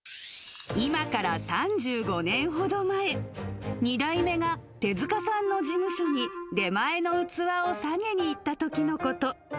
今から３５年ほど前、２代目が手塚さんの事務所に出前の器をさげにいったときのこと。